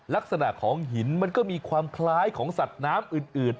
ลักษณะของหินมันก็มีความคล้ายของสัตว์น้ำอื่น